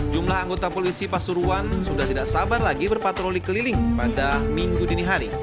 jumlah anggota polisi pasuruan sudah tidak sabar lagi berpatroli keliling pada minggu dini hari